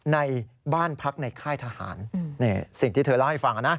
ในบ้านพักในค่ายทหารนี่สิ่งที่เธอเล่าให้ฟังนะ